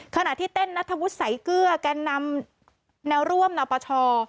ขณะที่เต้นนัทธวุฒิสายเกลือแก่นำแนวร่วมนปช